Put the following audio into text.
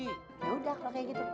yaudah kalo kayak gitu